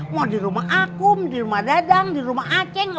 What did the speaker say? mau di rumah akum di rumah dadang di rumah aceh